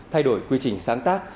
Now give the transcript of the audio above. thay đổi quy trình sáng tác